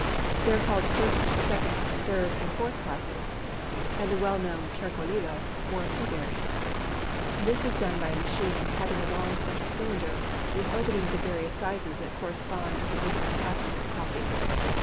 They are called first, second, third, and fourth classes, and the well known caracolillo or pea berry. This is done by a machine having a long center cylinder, with openings of various sizes that correspond with the different classes of coffee.